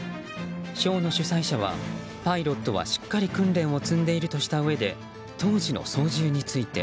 ショーの主催者はパイロットはしっかり訓練を積んでいるとしたうえで当時の操縦について。